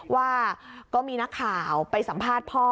ว่าก็มีนักข่าวไปสัมภาษณ์พ่อ